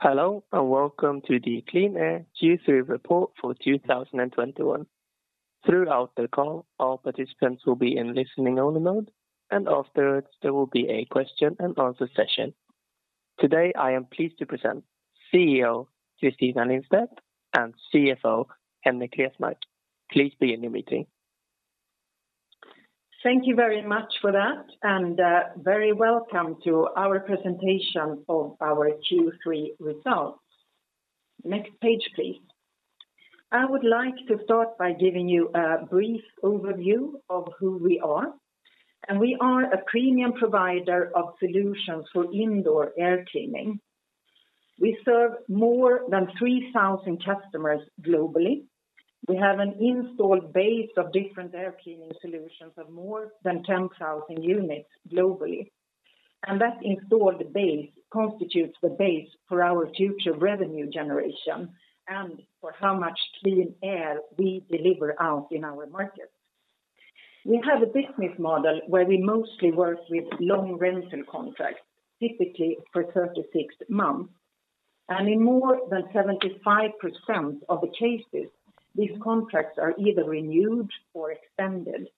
Hello and welcome to the QleanAir Q3 report for 2021. Throughout the call, all participants will be in listening only mode, and afterwards there will be a question and answer session. Today, I am pleased to present CEO Christina Lindstedt and CFO Henrik Resmark. Please begin your meeting. Thank you very much for that and, very welcome to our presentation of our Q3 results. Next page, please. I would like to start by giving you a brief overview of who we are, and we are a premium provider of solutions for indoor air cleaning. We serve more than 3,000 customers globally. We have an installed base of different air cleaning solutions of more than 10,000 units globally. That installed base constitutes the base for our future revenue generation and for how much clean air we deliver out in our market. We have a business model where we mostly work with long rental contracts, typically for 36 months, and in more than 75% of the cases, these contracts are either renewed or extended.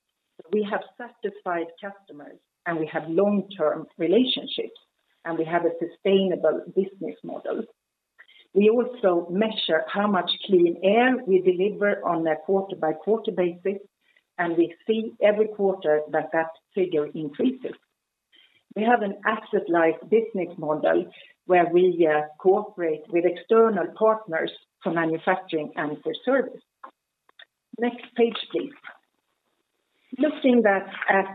We have satisfied customers, and we have long-term relationships, and we have a sustainable business model. We also measure how much clean air we deliver on a quarter-by-quarter basis, and we see every quarter that figure increases. We have an asset-light business model where we cooperate with external partners for manufacturing and for service. Next page, please. Looking back at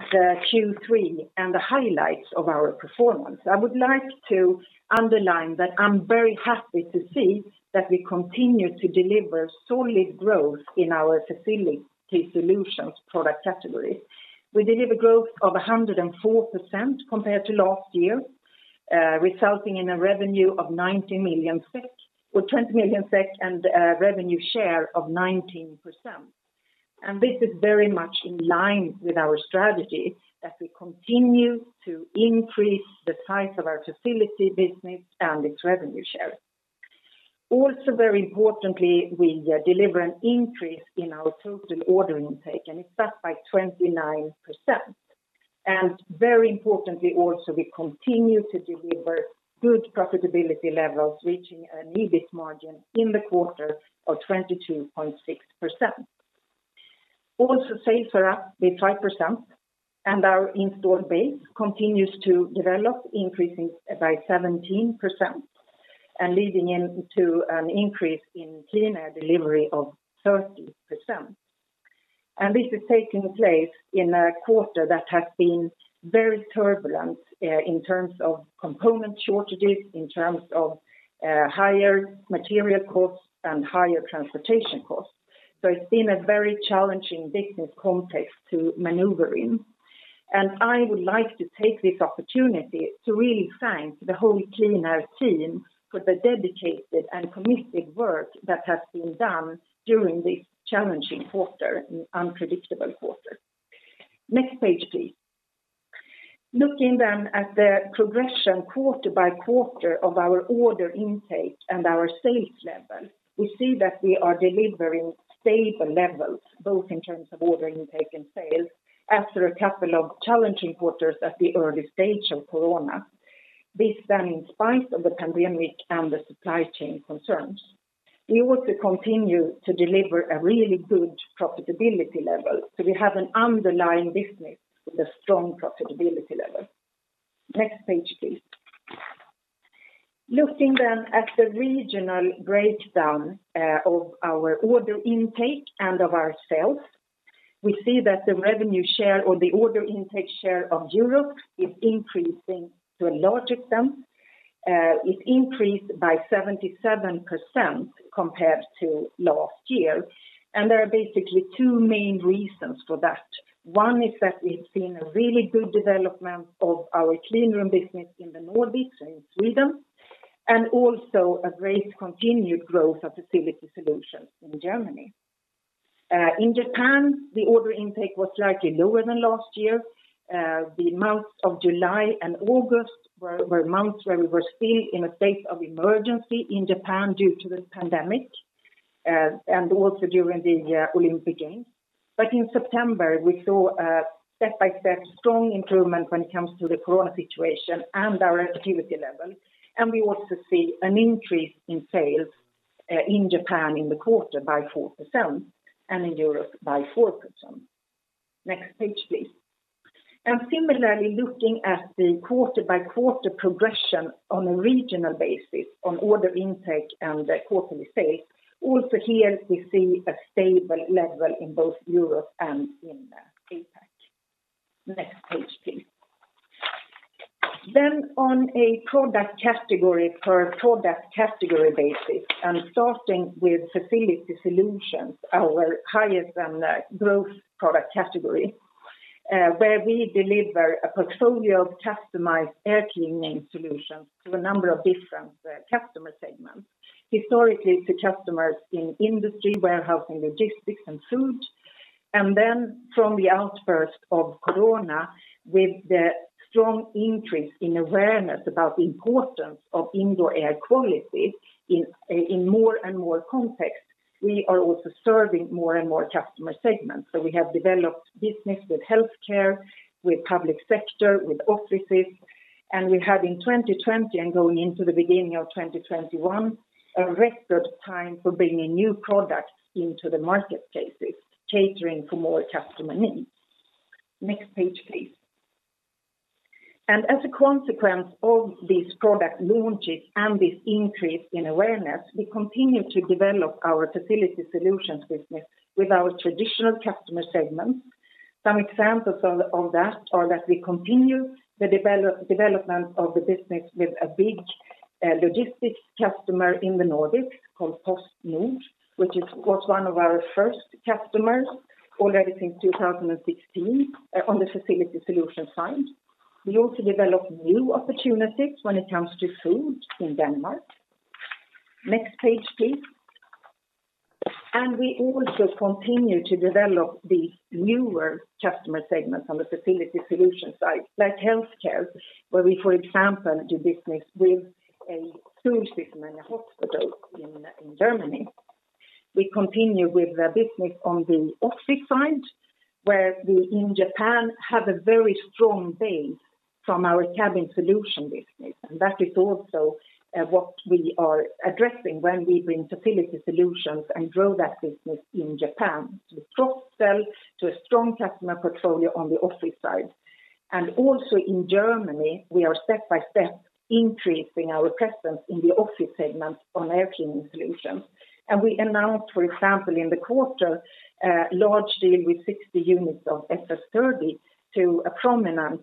Q3 and the highlights of our performance, I would like to underline that I'm very happy to see that we continue to deliver solid growth in our Facility Solutions product category. We deliver growth of 104% compared to last year, resulting in a revenue of 90 million SEK or 20 million SEK and a revenue share of 19%. This is very much in line with our strategy that we continue to increase the size of our facility business and its revenue share. Very importantly, we deliver an increase in our total order intake, and it's up by 29%. Very importantly also, we continue to deliver good profitability levels, reaching an EBIT margin in the quarter of 22.6%. Sales are up with 5%, and our installed base continues to develop, increasing by 17% and leading into an increase in QleanAir delivery of 30%. This is taking place in a quarter that has been very turbulent in terms of component shortages, in terms of higher material costs, and higher transportation costs. It's been a very challenging business context to maneuver in. I would like to take this opportunity to really thank the whole QleanAir team for the dedicated and committed work that has been done during this challenging quarter and unpredictable quarter. Next page, please. Looking at the progression quarter by quarter of our order intake and our sales level, we see that we are delivering stable levels, both in terms of order intake and sales after a couple of challenging quarters at the early stage of corona. This in spite of the pandemic and the supply chain concerns. We also continue to deliver a really good profitability level. We have an underlying business with a strong profitability level. Next page, please. Looking at the regional breakdown of our order intake and of our sales, we see that the revenue share or the order intake share of Europe is increasing to a large extent. It increased by 77% compared to last year. There are basically two main reasons for that. One is that we've seen a really good development of our clean room business in the Nordics, in Sweden, and also a great continued growth of Facility Solutions in Germany. In Japan, the order intake was slightly lower than last year. The months of July and August were months where we were still in a state of emergency in Japan due to the pandemic, and also during the Olympic Games. In September, we saw a step-by-step strong improvement when it comes to the corona situation and our activity level. We also see an increase in sales in Japan in the quarter by 4% and in Europe by 4%. Next page, please. Similarly, looking at the quarter-by-quarter progression on a regional basis on order intake and the quarterly sales, also here we see a stable level in both Europe and in the APAC. Next page, please. On a product category basis, starting with Facility Solutions, our highest growth product category, where we deliver a portfolio of customized air cleaning solutions to a number of different customer segments. Historically, to customers in industry, warehouse and logistics, and food. From the outbreak of corona, with the strong increase in awareness about the importance of indoor air quality in more and more contexts, we are also serving more and more customer segments. We have developed business with healthcare, with public sector, with offices, and we have in 2020, and going into the beginning of 2021, a record time for bringing new products into the marketplaces, catering for more customer needs. Next page, please. As a consequence of these product launches and this increase in awareness, we continue to develop our Facility Solutions business with our traditional customer segments. Some examples of that are that we continue the development of the business with a big logistic customer in the Nordics called PostNord, which was one of our first customers already since 2016 on the Facility Solutions side. We also develop new opportunities when it comes to food in Denmark. Next page, please. We also continue to develop the newer customer segments on the Facility Solutions side, like healthcare, where we, for example, do business with a school system and a hospital in Germany. We continue with the business on the office side, where we, in Japan, have a very strong base from our Cabin Solutions business. That is also what we are addressing when we bring Facility Solutions and grow that business in Japan. We cross-sell to a strong customer portfolio on the office side. Also in Germany, we are step-by-step increasing our presence in the office segment on air cleaning solutions. We announced, for example, in the quarter, large deal with 60 units of FS 30 to a prominent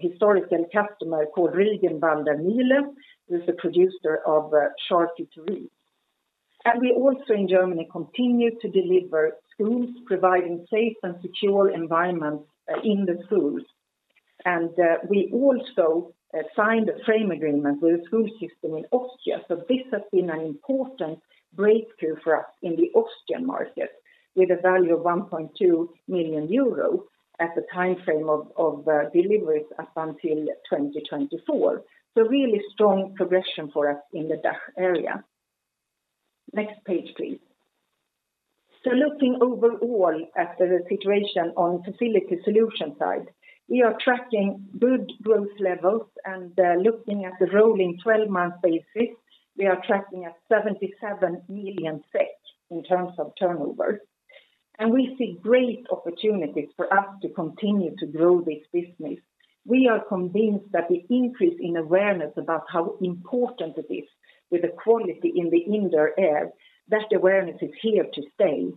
historical customer called Rügenwalder Mühle, who's a producer of charcuterie. We also in Germany continue to deliver schools providing safe and secure environments in the schools. We also signed a frame agreement with a school system in Austria. This has been an important breakthrough for us in the Austrian market with a value of 1.2 million euro at the timeframe of deliveries up until 2024. Really strong progression for us in the DACH area. Next page, please. Looking overall at the situation on Facility Solutions side, we are tracking good growth levels. Looking at the rolling 12-month basis, we are tracking at 77 million SEK in terms of turnover. We see great opportunities for us to continue to grow this business. We are convinced that the increase in awareness about how important it is with the quality in the indoor air, that awareness is here to stay.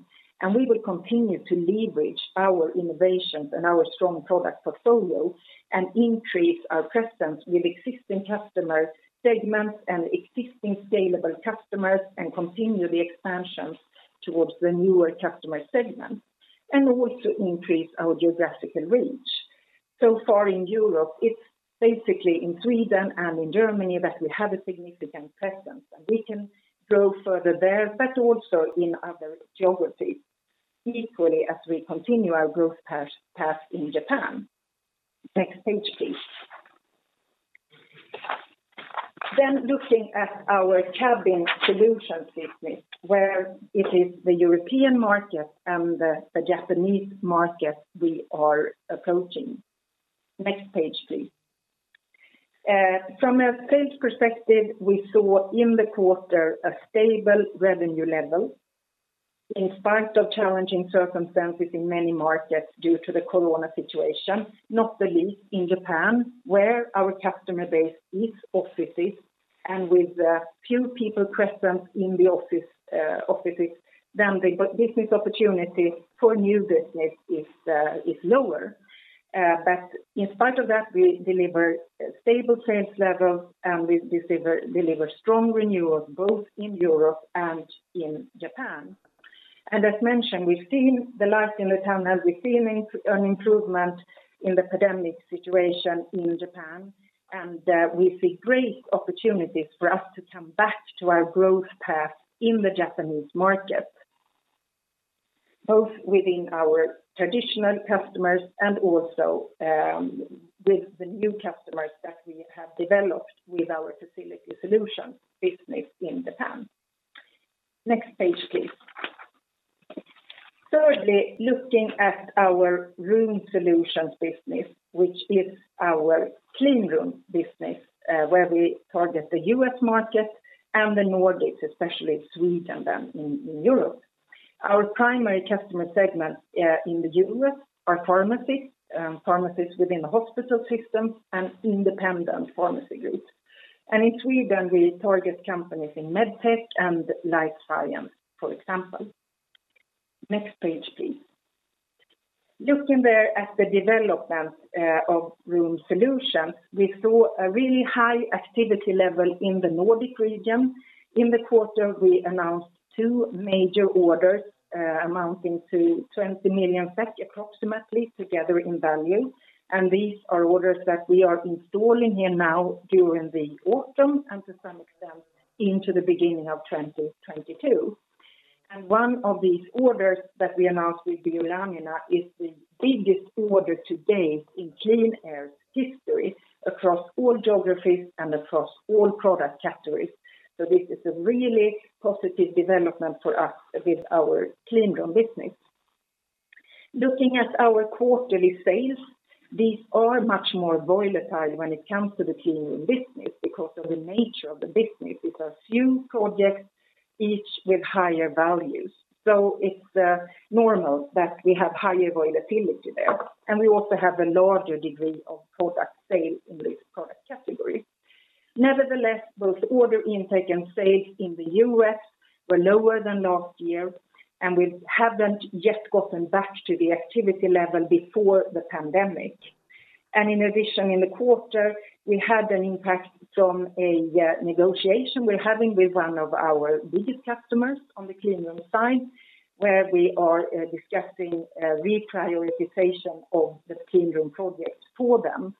We will continue to leverage our innovations and our strong product portfolio and increase our presence with existing customer segments and existing scalable customers and continue the expansions towards the newer customer segments and also increase our geographical reach. So far in Europe, it's basically in Sweden and in Germany that we have a significant presence, and we can grow further there, but also in other geographies equally as we continue our growth path in Japan. Next page, please. Looking at our Cabin Solutions business, where it is the European market and the Japanese market we are approaching. Next page, please. From a sales perspective, we saw in the quarter a stable revenue level in spite of challenging circumstances in many markets due to the corona situation, not the least in Japan, where our customer base is offices. With few people present in the office, then the business opportunity for new business is lower. In spite of that, we deliver stable sales levels, and we deliver strong renewals both in Europe and in Japan. As mentioned, we've seen the light in the tunnel. We've seen an improvement in the pandemic situation in Japan, and we see great opportunities for us to come back to our growth path in the Japanese market, both within our traditional customers and also with the new customers that we have developed with our Facility Solutions business in Japan. Next page, please. Thirdly, looking at our Room Solutions business, which is our clean room business, where we target the U.S. market and the Nordics, especially Sweden and in Europe. Our primary customer segments in the U.S. are pharmacies within the hospital system and independent pharmacy groups. In Sweden, we target companies in MedTech and life science, for example. Next page, please. Looking there at the development of Room Solutions, we saw a really high activity level in the Nordic region. In the quarter, we announced two major orders amounting to 20 million SEK approximately together in value. These are orders that we are installing here now during the autumn and to some extent into the beginning of 2022. One of these orders that we announced with Björklöven is the biggest order to date in QleanAir history across all geographies and across all product categories. This is a really positive development for us with our cleanroom business. Looking at our quarterly sales, these are much more volatile when it comes to the cleanroom business because of the nature of the business. It's a few projects, each with higher values. It's normal that we have higher volatility there, and we also have a larger degree of product sale in this product category. Nevertheless, both order intake and sales in the U.S. were lower than last year, and we haven't yet gotten back to the activity level before the pandemic. In addition, in the quarter, we had an impact from a negotiation we're having with one of our biggest customers on the cleanroom side, where we are discussing a reprioritization of the cleanroom project for them.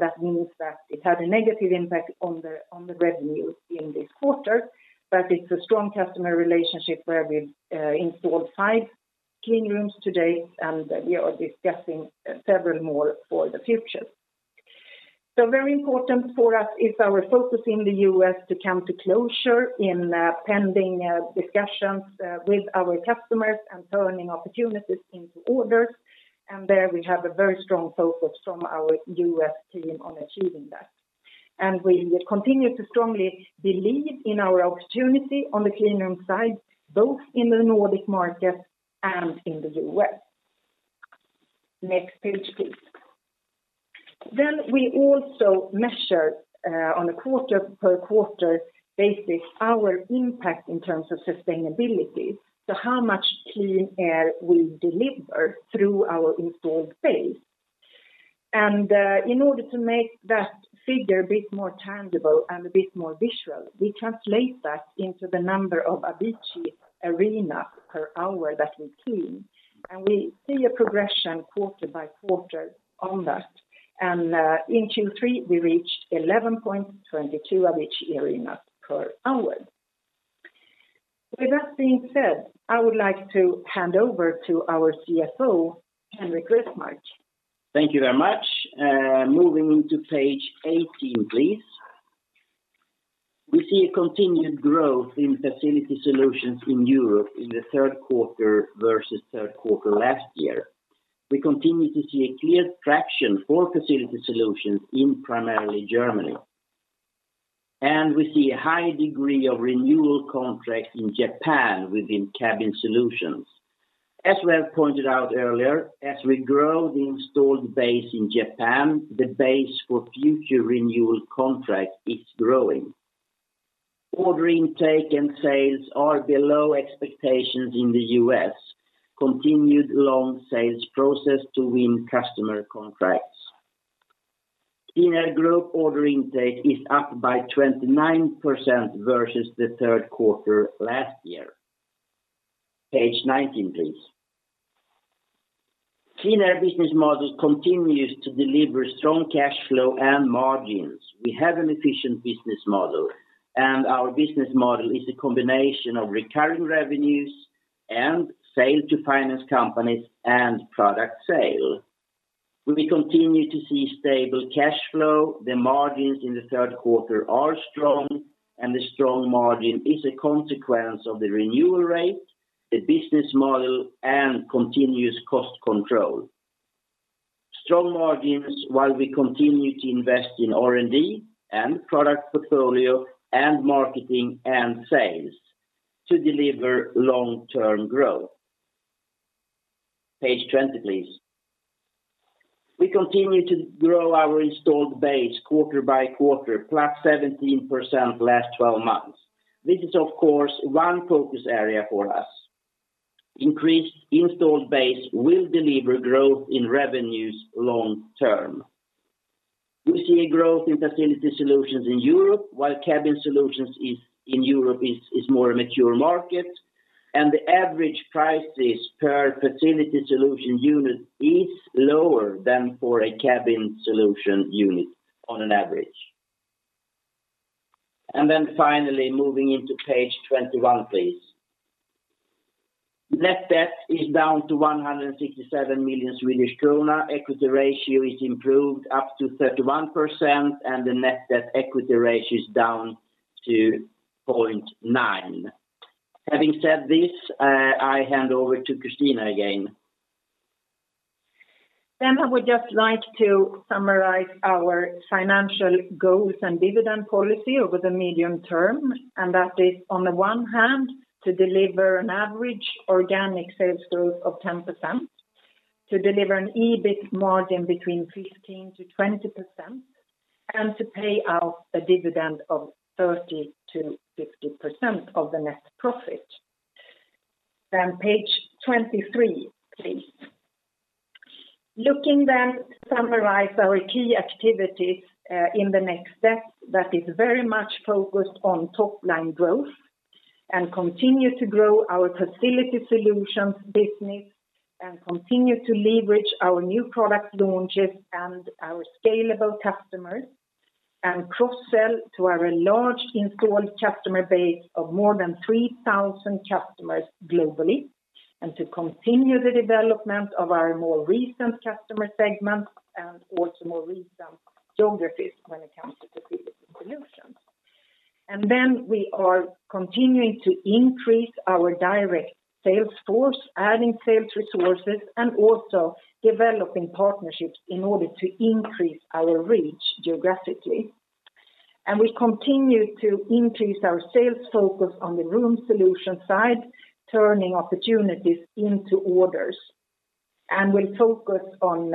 That means that it had a negative impact on the revenue in this quarter. It's a strong customer relationship where we've installed five cleanrooms to date, and we are discussing several more for the future. Very important for us is our focus in the U.S. to come to closure in pending discussions with our customers and turning opportunities into orders. There we have a very strong focus from our U.S. team on achieving that. We continue to strongly believe in our opportunity on the cleanroom side, both in the Nordic market and in the U.S. Next page, please. We also measure on a quarter-over-quarter basis our impact in terms of sustainability, how much clean air we deliver through our installed base. In order to make that figure a bit more tangible and a bit more visual, we translate that into the number of Avicii Arena per hour that we clean, and we see a progression quarter by quarter on that. In Q3, we reached 11.22 Avicii Arena per hour. With that being said, I would like to hand over to our CFO, Henrik Resmark. Thank you very much. Moving into page 18, please. We see a continued growth in Facility Solutions in Europe in the third quarter versus third quarter last year. We continue to see a clear traction for Facility Solutions in primarily Germany. We see a high degree of renewal contracts in Japan within Cabin Solutions. As we have pointed out earlier, as we grow the installed base in Japan, the base for future renewal contract is growing. Ordering intake and sales are below expectations in the U.S., continued long sales process to win customer contracts. QleanAir Group ordering intake is up by 29% versus the third quarter last year. Page 19, please. QleanAir business model continues to deliver strong cash flow and margins. We have an efficient business model, and our business model is a combination of recurring revenues and sale to finance companies and product sale. We continue to see stable cash flow. The margins in the third quarter are strong, and the strong margin is a consequence of the renewal rate, the business model, and continuous cost control. Strong margins while we continue to invest in R&D and product portfolio and marketing and sales to deliver long-term growth. Page 20, please. We continue to grow our installed base quarter by quarter, +17% last 12 months. This is of course one focus area for us. Increased installed base will deliver growth in revenues long term. We see a growth in Facility Solutions in Europe, while Cabin Solutions in Europe is more a mature market, and the average prices per Facility Solution unit is lower than for a Cabin Solution unit on average. Finally, moving into page 21, please. Net debt is down to 167 million Swedish krona. Equity ratio is improved up to 31%, and the net debt equity ratio is down to 0.9. Having said this, I hand over to Christina again. I would just like to summarize our financial goals and dividend policy over the medium term, and that is on the one hand, to deliver an average organic sales growth of 10%, to deliver an EBIT margin between 15%-20%, and to pay out a dividend of 30%-50% of the net profit. Page 23, please. Looking then to summarize our key activities in the next step, that is very much focused on top-line growth and continue to grow our Facility Solutions business, and continue to leverage our new product launches and our scalable customers, and cross-sell to our large installed customer base of more than 3,000 customers globally, and to continue the development of our more recent customer segments and also more recent geographies when it comes to Facility Solutions. We are continuing to increase our direct sales force, adding sales resources, and also developing partnerships in order to increase our reach geographically. We continue to increase our sales focus on the Room Solutions side, turning opportunities into orders. We'll focus on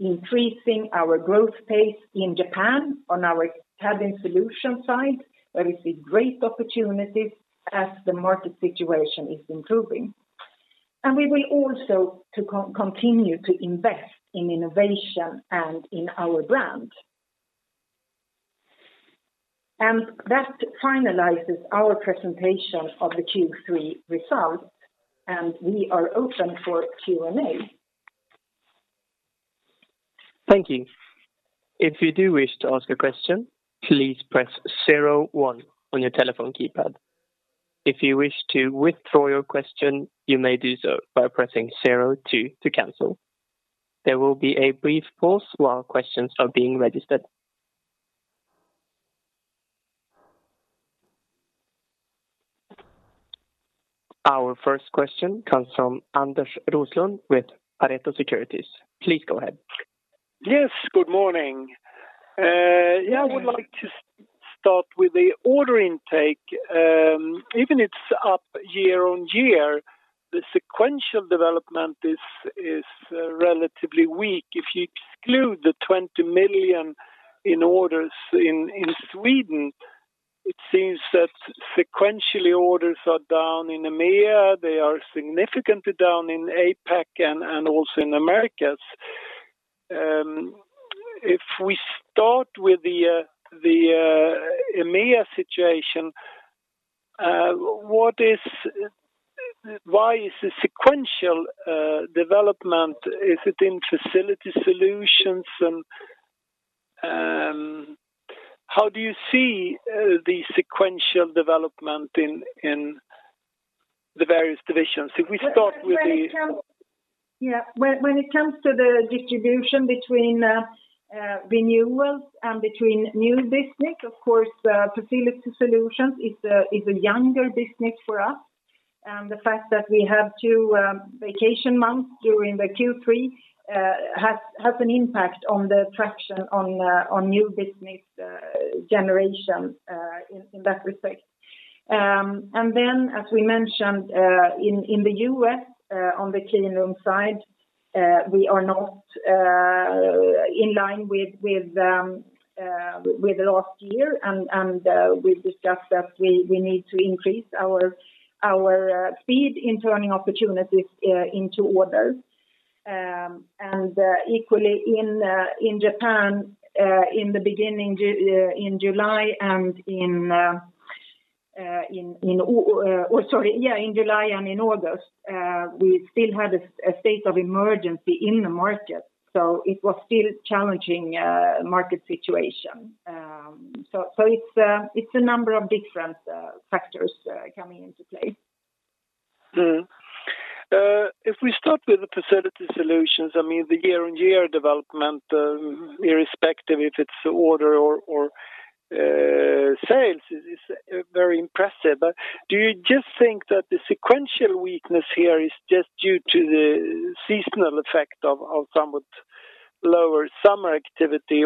increasing our growth pace in Japan on our Cabin Solutions side, where we see great opportunities as the market situation is improving. We will also to continue to invest in innovation and in our brand. That finalizes our presentation of the Q3 results, and we are open for Q&A. Thank you. If you do wish to ask a question, please press 0 1 on your telephone keypad. If you wish to withdraw your question, you may do so by pressing 0 2 to cancel. There will be a brief pause while questions are being registered. Our first question comes from Anders Roslund with Pareto Securities. Please go ahead. Yes, good morning. Yeah, I would like to start with the order intake. Even it's up year-over-year, the sequential development is relatively weak. If you exclude the 20 million in orders in Sweden, it seems that sequentially orders are down in EMEA. They are significantly down in APAC and also in Americas. If we start with the EMEA situation, why is the sequential development? Is it in Facility Solutions? And, how do you see the sequential development in the various divisions? If we start with the- When it comes to the distribution between renewals and new business, of course, Facility Solutions is a younger business for us. The fact that we have two vacation months during Q3 has an impact on the traction on new business generation in that respect. As we mentioned in the U.S. on the cleanroom side, we are not in line with last year, and we discussed that we need to increase our speed in turning opportunities into orders. Equally in Japan in the beginning in July and in August. Yeah, in July and in August, we still had a state of emergency in the market, so it was still challenging market situation. It's a number of different factors coming into play. If we start with the Facility Solutions, I mean, the year-over-year development, irrespective if it's order or sales is very impressive. Do you just think that the sequential weakness here is just due to the seasonal effect of somewhat lower summer activity?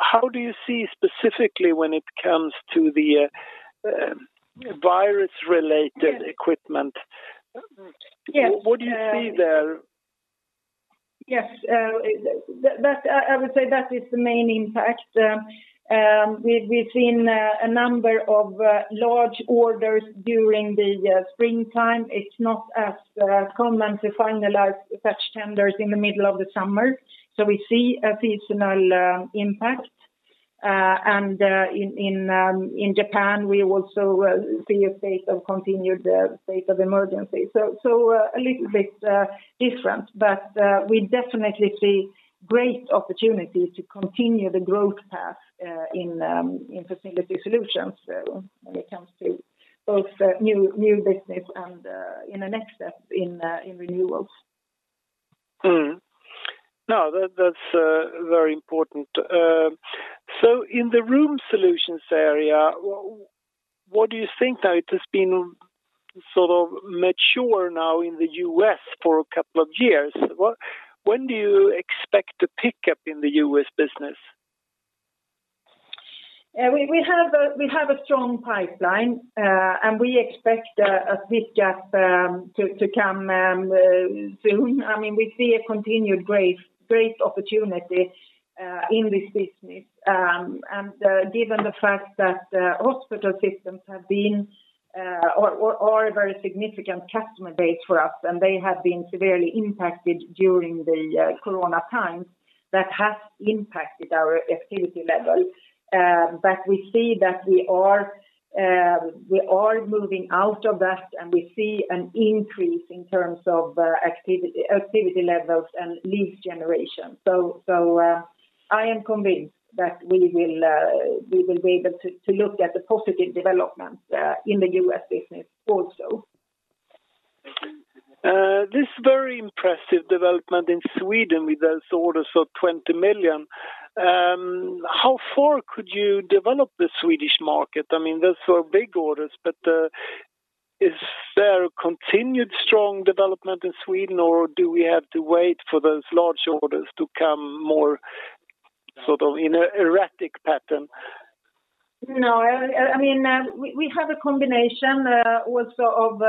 How do you see specifically when it comes to the virus-related- Yes. -equipment? Yes. What do you see there? Yes. I would say that is the main impact. We've seen a number of large orders during the springtime. It's not as common to finalize such tenders in the middle of the summer. We see a seasonal impact. In Japan, we also see a state of continued emergency. A little bit different. We definitely see great opportunity to continue the growth path in Facility Solutions when it comes to both new business and in the next step, in renewals. No, that's very important. In the Room Solutions area, what do you think now? It has been sort of mature now in the U.S. for a couple of years. When do you expect to pick up in the U.S. business? We have a strong pipeline and we expect this gap to come soon. I mean, we see a continued great opportunity in this business. Given the fact that hospital systems have been a very significant customer base for us, and they have been severely impacted during the Corona times, that has impacted our activity levels. We see that we are moving out of that, and we see an increase in terms of activity levels and lead generation. I am convinced that we will be able to look at the positive development in the U.S. business also. This very impressive development in Sweden with those orders of 20 million, how far could you develop the Swedish market? I mean, those were big orders, but, is there a continued strong development in Sweden, or do we have to wait for those large orders to come more sort of in a erratic pattern? No, I mean, we have a combination also of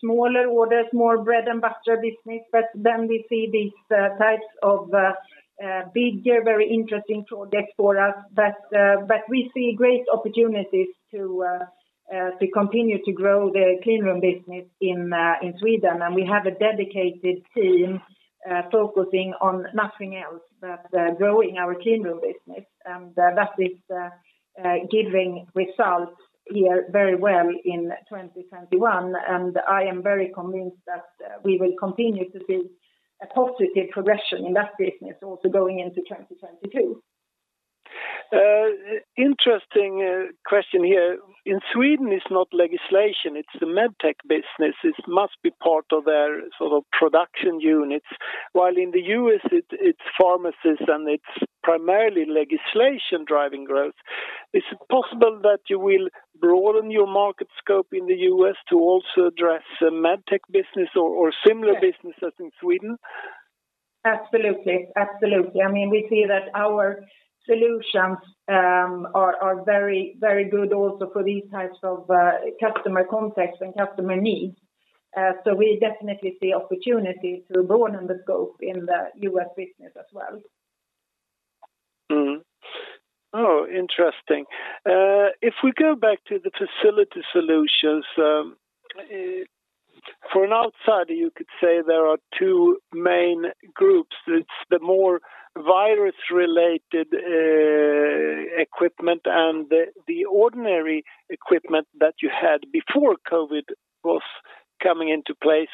smaller orders, more bread and butter business. We see these types of bigger, very interesting projects for us. We see great opportunities to continue to grow the cleanroom business in Sweden. We have a dedicated team focusing on nothing else but growing our cleanroom business. That is giving results here very well in 2021. I am very convinced that we will continue to see a positive progression in that business also going into 2022. Interesting question here. In Sweden it's not legislation, it's the MedTech business. It must be part of their sort of production units. While in the U.S. it's pharma and it's primarily legislation driving growth. Is it possible that you will broaden your market scope in the U.S. to also address the MedTech business or similar businesses in Sweden? Absolutely. I mean, we see that our solutions are very, very good also for these types of customer context and customer needs. We definitely see opportunity to broaden the scope in the U.S. business as well. Oh, interesting. If we go back to the Facility Solutions, for an outsider, you could say there are two main groups. It's the more virus related equipment and the ordinary equipment that you had before COVID was coming into place.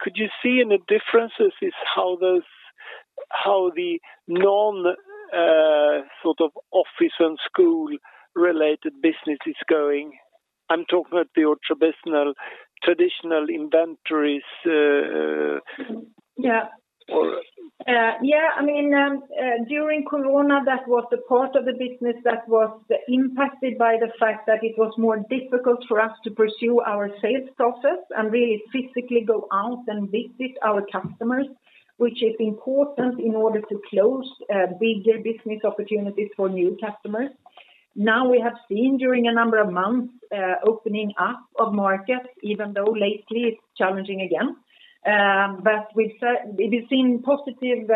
Could you see any differences in how the non sort of office and school related business is going? I'm talking about your traditional inventories. Yeah ... or- Yeah. I mean, during Corona, that was the part of the business that was impacted by the fact that it was more difficult for us to pursue our sales process and really physically go out and visit our customers, which is important in order to close bigger business opportunities for new customers. Now we have seen during a number of months opening up of markets, even though lately it's challenging again. We've been seeing positive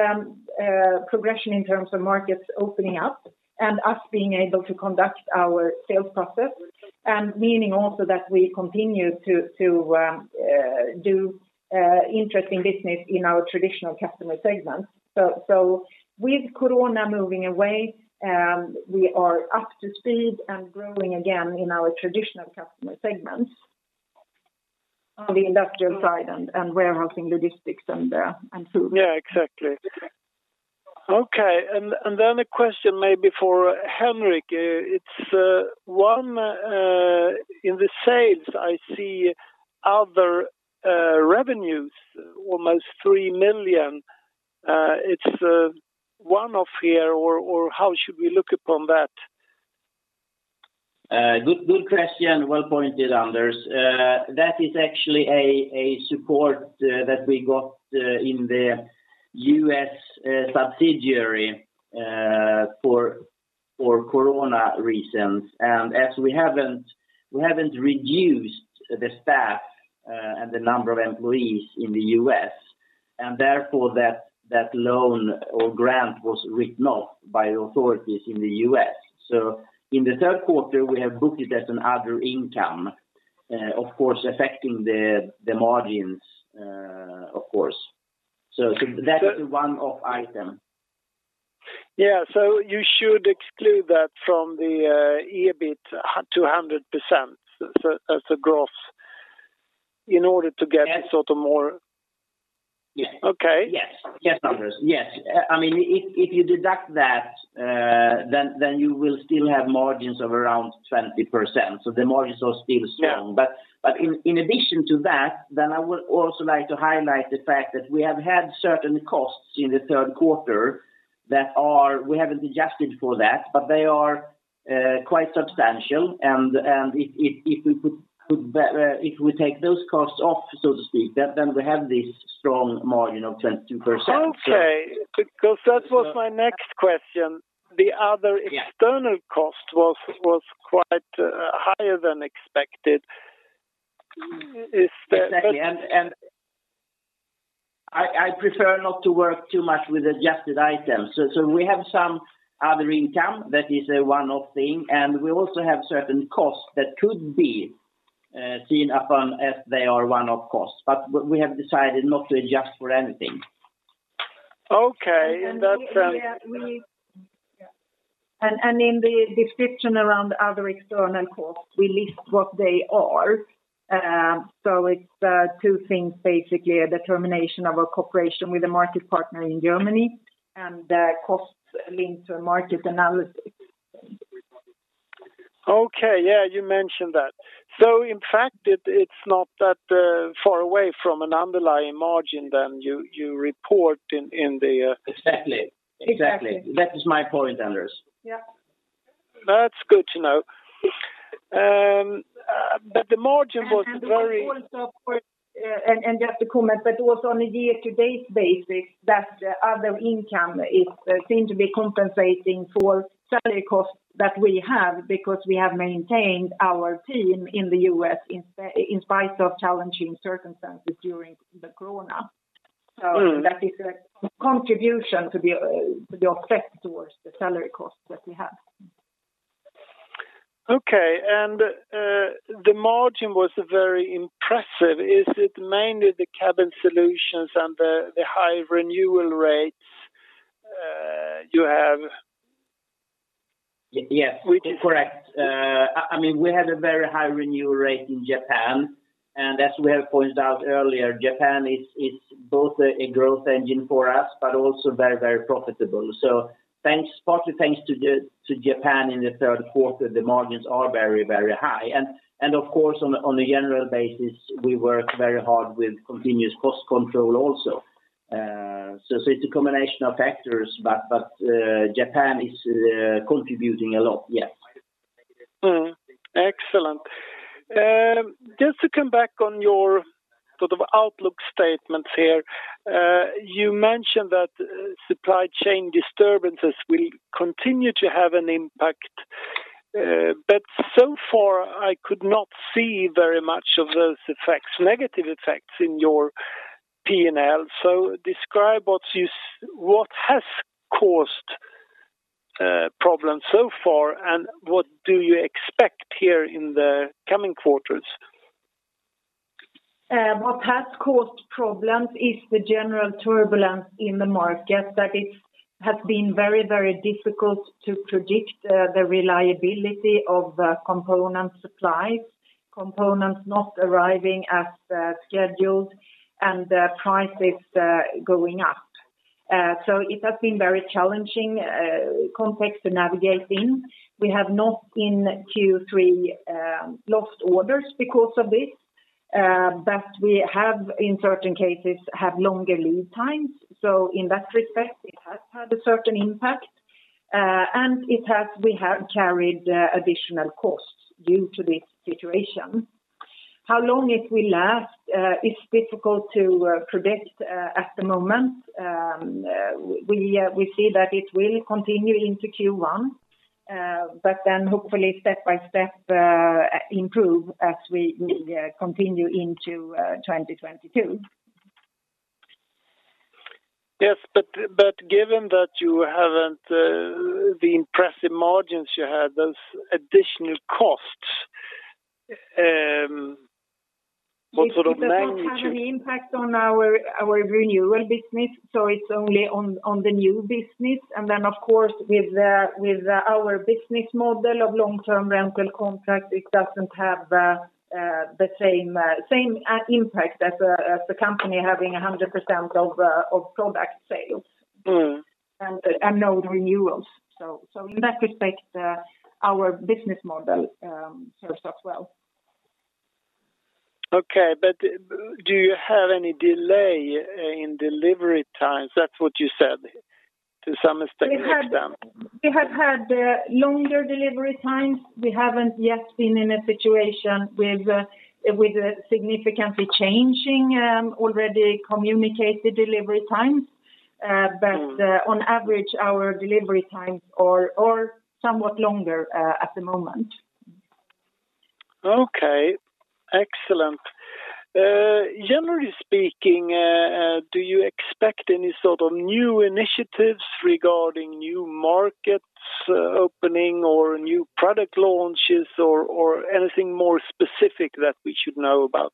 progression in terms of markets opening up and us being able to conduct our sales process, and meaning also that we continue to do interesting business in our traditional customer segments. With Corona moving away, we are up to speed and growing again in our traditional customer segments on the industrial side and warehousing logistics and food. Yeah. Exactly. Okay. Then a question maybe for Henrik. It's Q1 in the sales I see other revenues, almost SEK 3 million. It's one-off here, or how should we look upon that? Good question. Well pointed, Anders. That is actually a support that we got in the U.S. subsidiary for Corona reasons. As we haven't reduced the staff and the number of employees in the U.S. and therefore that loan or grant was written off by the authorities in the U.S. In the third quarter we have booked it as other income, of course affecting the margins, of course. That's a one-off item. Yeah. You should exclude that from the EBIT at 200% as a growth in order to get- Yes... sort of more- Yes. Okay. Yes, Anders. I mean, if you deduct that, then you will still have margins of around 20%. The margins are still strong. Yeah. In addition to that, then I would also like to highlight the fact that we have had certain costs in the third quarter that we haven't adjusted for, but they are quite substantial. If we take those costs off, so to speak, then we have this strong margin of 22%. Okay. Because that was my next question. The other- Yeah.... external cost was quite higher than expected. Is the- Exactly. I prefer not to work too much with adjusted items. We have some other income that is a one-off thing, and we also have certain costs that could be seen upon as they are one-off costs. We have decided not to adjust for anything. Okay. In the description around other external costs, we list what they are. It's two things, basically, a determination of a cooperation with a market partner in Germany and costs linked to a market analysis. Okay. Yeah, you mentioned that. In fact, it's not that far away from an underlying margin than you report in the- Exactly. Exactly. That is my point, Anders. Yeah. That's good to know. The margin was very- Just to comment, but also on a year-to-date basis, that other income seems to be compensating for salary costs that we have because we have maintained our team in the U.S. in spite of challenging circumstances during the Corona. Mm. That is a contribution to the offset towards the salary costs that we have. Okay. The margin was very impressive. Is it mainly the Cabin Solutions and the high renewal rates you have? Yes. Correct. I mean, we had a very high renewal rate in Japan, and as we have pointed out earlier, Japan is both a growth engine for us, but also very, very profitable. Partly thanks to Japan in the third quarter, the margins are very, very high. Of course, on a general basis, we work very hard with continuous cost control also. It's a combination of factors, but Japan is contributing a lot, yes. Excellent. Just to come back on your sort of outlook statements here. You mentioned that supply chain disturbances will continue to have an impact, but so far, I could not see very much of those effects, negative effects in your P&L. Describe what has caused problems so far, and what do you expect here in the coming quarters? What has caused problems is the general turbulence in the market, that it has been very, very difficult to predict the reliability of component supplies, components not arriving as scheduled, and the prices going up. It has been very challenging context to navigate in. We have not in Q3 lost orders because of this, but we have, in certain cases, have longer lead times. In that respect, it has had a certain impact, and we have carried additional costs due to this situation. How long it will last is difficult to predict at the moment. We see that it will continue into Q1, but then hopefully step by step improve as we continue into 2022. Yes. Given that you haven't the impressive margins you had, those additional costs, what sort of magnitude- It does not have any impact on our renewal business, so it's only on the new business. Of course with our business model of long-term rental contracts, it doesn't have the same impact as the company having 100% of product sales. Mm. No renewals. In that respect, our business model serves us well. Okay, do you have any delay in delivery times? That's what you said to some extent for example. We have had longer delivery times. We haven't yet been in a situation with significantly changing already communicated delivery times. Mm. On average, our delivery times are somewhat longer, at the moment. Okay. Excellent. Generally speaking, do you expect any sort of new initiatives regarding new markets opening or new product launches or anything more specific that we should know about?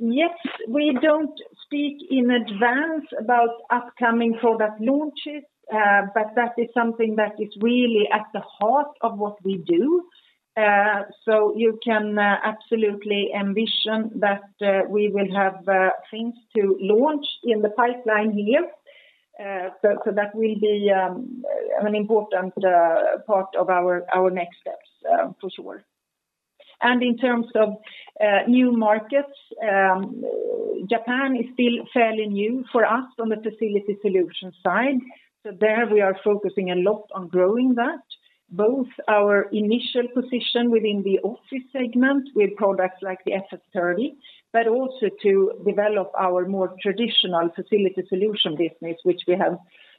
Yes, we don't speak in advance about upcoming product launches, but that is something that is really at the heart of what we do. You can absolutely envision that we will have things to launch in the pipeline here. That will be an important part of our next steps for sure. In terms of new markets, Japan is still fairly new for us on the Facility Solutions side. There, we are focusing a lot on growing that, both our initial position within the office segment with products like the FS 30, but also to develop our more traditional Facility Solutions business, which we have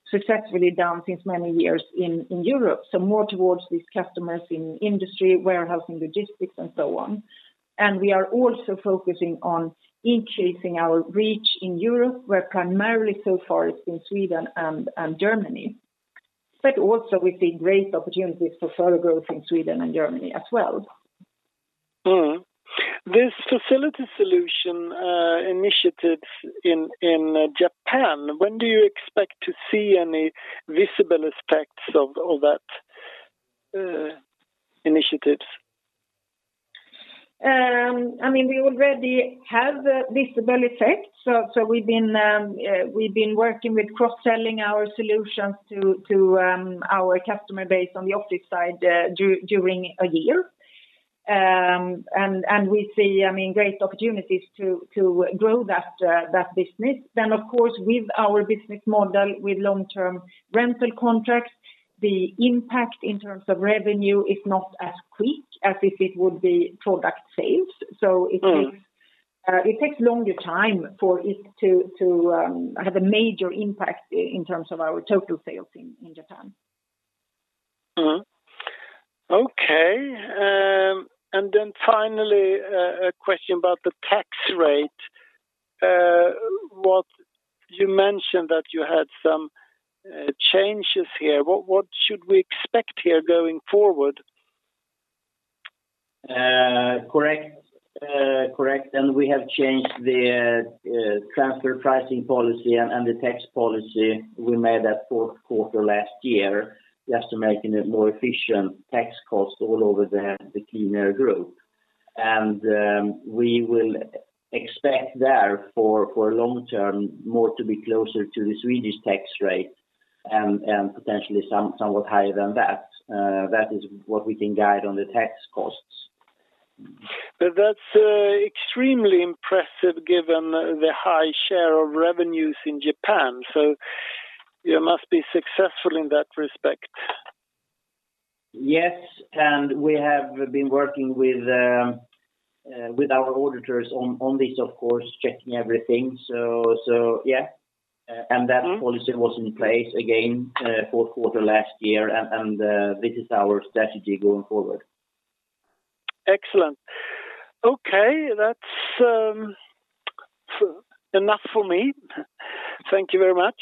successfully done since many years in Europe, so more towards these customers in industry, warehousing, logistics, and so on. We are also focusing on increasing our reach in Europe, where primarily so far it's in Sweden and Germany. We see great opportunities for further growth in Sweden and Germany as well. This Facility Solutions initiatives in Japan, when do you expect to see any visible effects of that initiatives? I mean, we already have a visible effect. We've been working with cross-selling our solutions to our customer base on the Optix side during a year. We see, I mean, great opportunities to grow that business. Of course with our business model with long-term rental contracts, the impact in terms of revenue is not as quick as if it would be product sales. It takes- Mm. It takes longer time for it to have a major impact in terms of our total sales in Japan. Mm-hmm. Okay. Finally, a question about the tax rate. You mentioned that you had some changes here. What should we expect here going forward? We have changed the transfer pricing policy and the tax policy we made at fourth quarter last year just to make a more efficient tax cost all over the QleanAir Group. We will expect therefore for long-term more to be closer to the Swedish tax rate and potentially somewhat higher than that. That is what we can guide on the tax costs. That's extremely impressive given the high share of revenues in Japan. You must be successful in that respect. Yes. We have been working with our auditors on this of course checking everything. Yeah. Mm. That policy was in place again, fourth quarter last year. This is our strategy going forward. Excellent. Okay. That's enough for me. Thank you very much.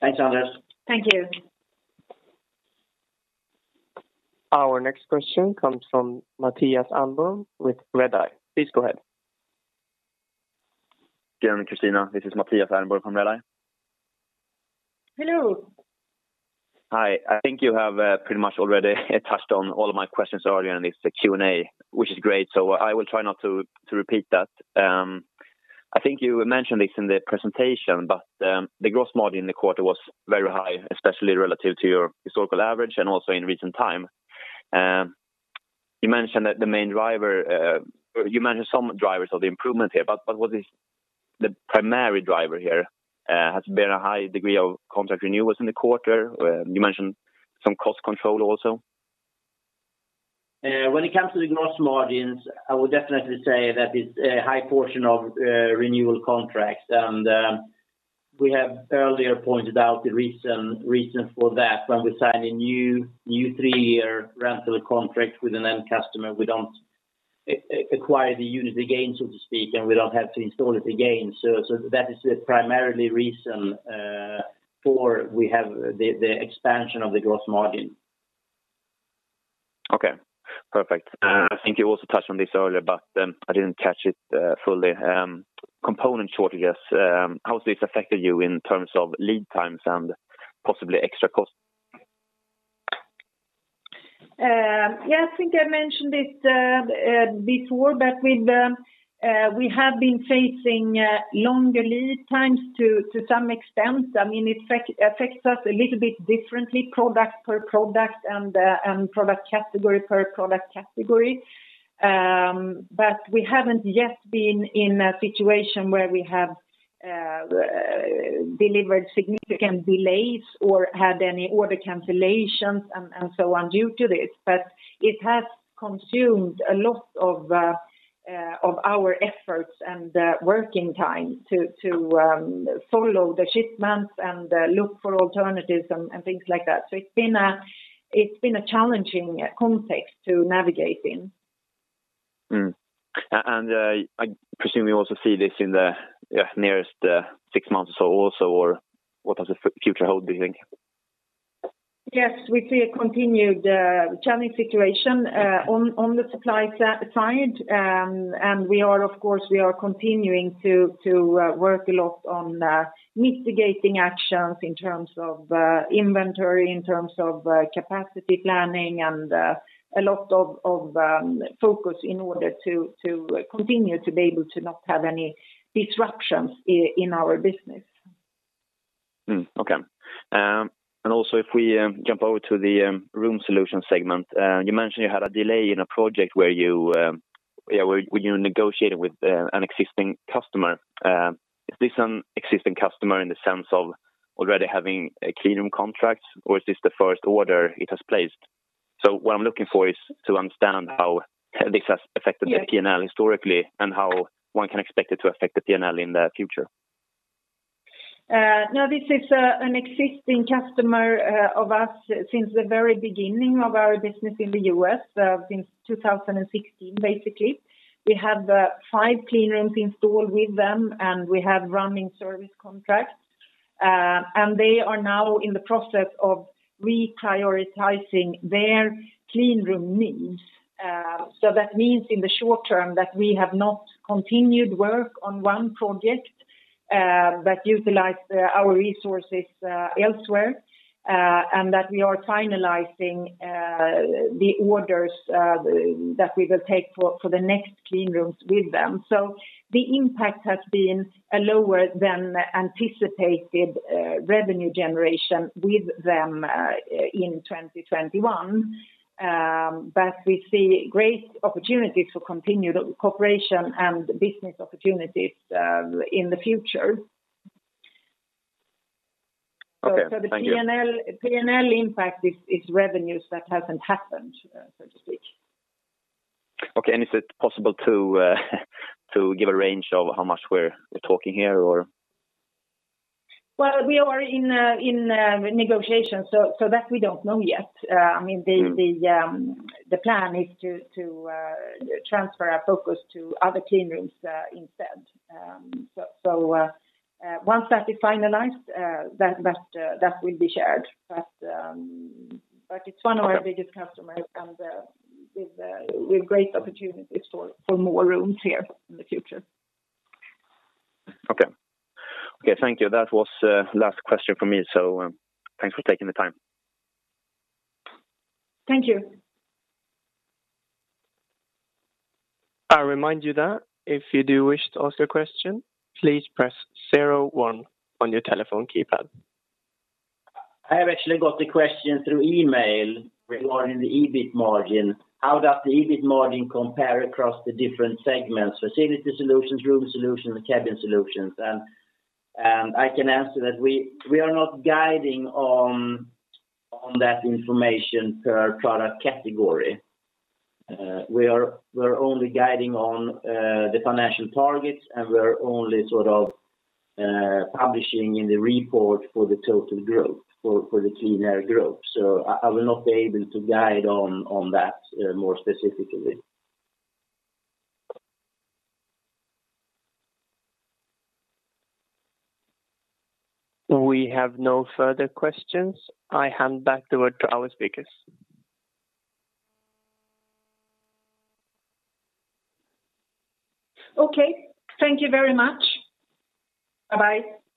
Thanks, Anders. Thank you. Our next question comes from Mattias Ehrenborg with Redeye. Please go ahead. Good morning, Christina. This is Mattias Ehrenborg from Redeye. Hello. Hi. I think you have pretty much already touched on all of my questions earlier in this Q&A, which is great, so I will try not to repeat that. I think you mentioned this in the presentation, but the gross margin in the quarter was very high, especially relative to your historical average and also in recent time. You mentioned that the main driver, you mentioned some drivers of the improvement here, but what was the primary driver here? Has been a high degree of contract renewals in the quarter. You mentioned some cost control also. When it comes to the gross margins, I would definitely say that it's a high portion of renewal contracts. We have earlier pointed out the reason for that. When we sign a new three-year rental contract with an end customer, we don't acquire the unit again, so to speak, and we don't have to install it again. That is the primarily reason for we have the expansion of the gross margin. Okay. Perfect. I think you also touched on this earlier, but I didn't catch it fully. Component shortages, how has this affected you in terms of lead times and possibly extra costs? Yeah, I think I mentioned this before, but we have been facing longer lead times to some extent. I mean, it affects us a little bit differently product per product and product category per product category. We haven't yet been in a situation where we have delivered significant delays or had any order cancellations and so on due to this. It has consumed a lot of our efforts and working time to follow the shipments and look for alternatives and things like that. It's been a challenging context to navigate in. I presume you also see this in the nearest six months or so also, or what does the future hold, do you think? Yes. We see a continued challenging situation on the supply side. We are, of course, continuing to work a lot on mitigating actions in terms of inventory, in terms of capacity planning and a lot of focus in order to continue to be able to not have any disruptions in our business. If we jump over to the Room Solutions segment, you mentioned you had a delay in a project where you negotiated with an existing customer. Is this an existing customer in the sense of already having a clean room contract, or is this the first order it has placed? What I'm looking for is to understand how this has affected- Yeah. - the P&L historically and how one can expect it to affect the P&L in the future. No, this is an existing customer of us since the very beginning of our business in the U.S. since 2016, basically. We have five clean rooms installed with them, and we have running service contracts. They are now in the process of reprioritizing their clean room needs. That means in the short term that we have not continued work on one project, but utilize our resources elsewhere, and that we are finalizing the orders that we will take for the next clean rooms with them. The impact has been a lower than anticipated revenue generation with them in 2021. We see great opportunities for continued cooperation and business opportunities in the future. Okay. Thank you. The P&L impact is revenues that hasn't happened, so to speak. Okay. Is it possible to give a range of how much we're talking here or? Well, we are in a negotiation, so that we don't know yet. I mean, the plan is to transfer our focus to other clean rooms, instead. Once that is finalized, that will be shared. It's one of our biggest customers and with great opportunities for more rooms here in the future. Okay. Thank you. That was last question for me. Thanks for taking the time. Thank you. I remind you that if you do wish to ask a question, please press 0 1 on your telephone keypad. I have actually got the question through email regarding the EBIT margin. How does the EBIT margin compare across the different segments, Facility Solutions, Room Solutions, and Cabin Solutions? I can answer that we are not guiding on that information per product category. We're only guiding on the financial targets, and we're only sort of publishing in the report for the total group, for the QleanAir Group. I will not be able to guide on that more specifically. We have no further questions. I hand back the word to our speakers. Okay. Thank you very much. Bye-bye.